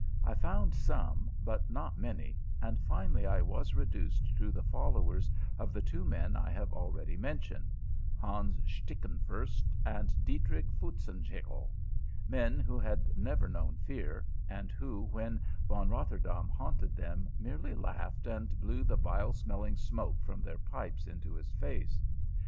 I found some, but not many, and finally I was reduced to the followers of the two men I have already mentioned Hans Stickenfurst and Diedrich Foutzenhickle men who had never known fear, and who, when Von Rotterdaam haunted them, merely laughed and blew the vile smelling smoke from their pipes into his face.